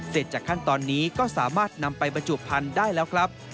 เสร็จจากขั้นตอนนี้ก็สามารถนำไปบรรจุพันธุ์ได้แล้วครับ